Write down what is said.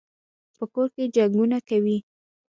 په کور کي جنګونه کوي.